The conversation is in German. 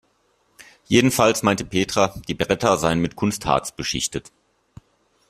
Jedenfalls meinte Petra, die Bretter seien mit Kunstharz beschichtet.